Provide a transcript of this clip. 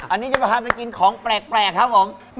อันนี้จะพาไปกินของแปลกครับผม